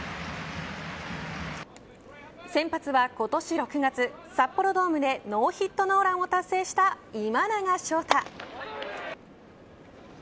先発は、今年６月札幌ドームでノーヒットノーランを達成した今永昇太。